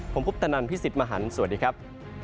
ผมพุทธนันพี่สิทธิ์มหันฯสวัสดีครับ